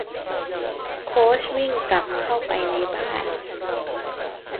โค้ชวิ่งกลับเข้าไปในบ้าน